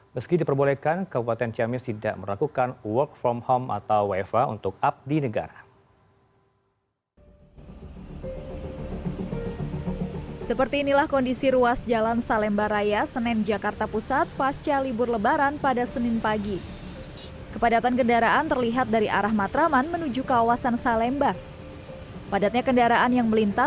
meski diperbolehkan kabupaten ciamis tidak melakukan work from home atau wfa untuk abdi negara